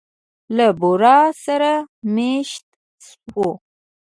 له بورا سره مېشت شوو.